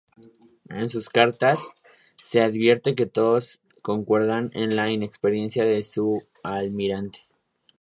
En sus cartas se advierte que todos concuerdan en la inexperiencia de su almirante.